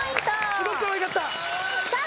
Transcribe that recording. すごくかわいかったさあ